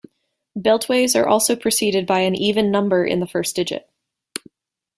Beltways are also preceded by an even number in the first digit.